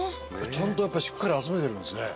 ちゃんとしっかり集めてるんですね。